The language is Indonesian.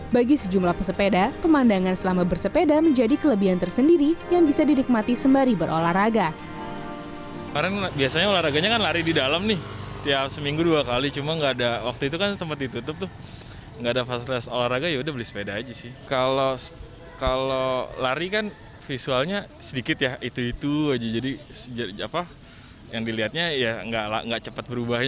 bagi sejumlah pesepeda pemandangan selama bersepeda menjadi kelebihan tersendiri yang bisa didikmati sembari berolahraga